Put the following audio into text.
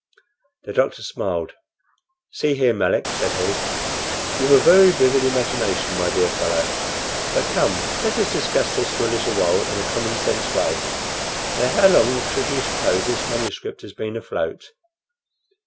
The doctor smiled. "See here, Melick," said he, "you've a very vivid imagination, my dear fellow; but come, let us discuss this for a little while in a common sense way. Now how long should you suppose that this manuscript has been afloat?"